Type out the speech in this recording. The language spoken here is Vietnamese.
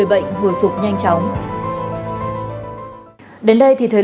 và kinh nghiệm thực tiễn về các kỹ thuật điều trị hiện đại